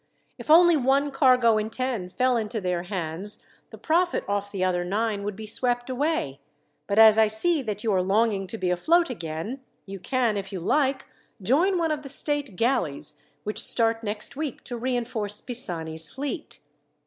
"If only one cargo in ten fell into their hands the profit off the other nine would be swept away; but as I see that you are longing to be afloat again, you can, if you like, join one of the state galleys which start next week to reinforce Pisani's fleet.